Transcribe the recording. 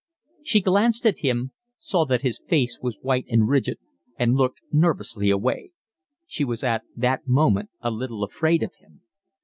She glanced at him, saw that his face was white and rigid, and looked nervously away. She was at that moment a little afraid of him.